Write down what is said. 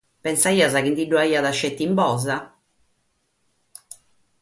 Pensaias chi bi nde fiat solu in Bosa?